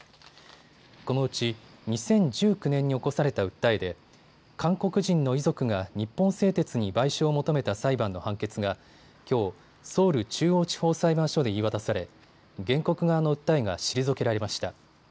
このうち２０１９年に起こされた訴えで韓国人の遺族が日本製鉄に賠償を求めた裁判の判決がきょう、ソウル中央地方裁判所で言い渡され原告側の訴えが退けられました。